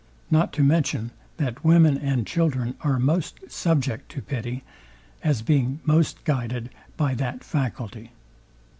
Not to mention that women and children are most subject to pity, as being most guided by that faculty.